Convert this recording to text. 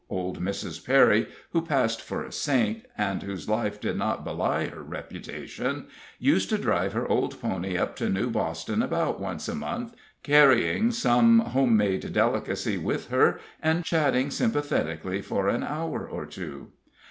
Old Mrs. Perry, who passed for a saint, and whose life did not belie her reputation, used to drive her old pony up to New Boston about once a month, carrying some home made delicacy with her, and chatting sympathetically for an hour or two.